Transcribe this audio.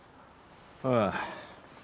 ああ